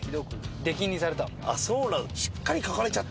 そうなの。